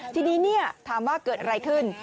ทีนี้ถามว่าเกิดอะไรขึ้น